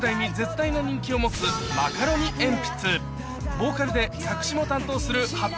ボーカルで作詞も担当するはっ